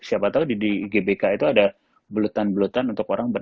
siapa tahu di gbk itu ada belutan belutan untuk orang